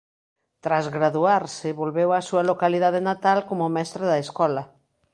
Tras graduarse volveu á súa localidade natal como mestre da escola.